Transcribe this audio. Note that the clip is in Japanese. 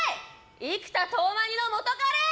生田斗真似の元カレ！